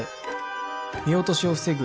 見落としを防ぐ